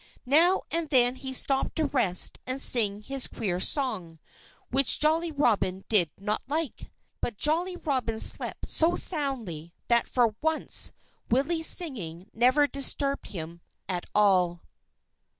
Now and then he stopped to rest and sing his queer song, which Jolly Robin did not like. But Jolly Robin slept so soundly that for once Willie's singing never disturbed him at all.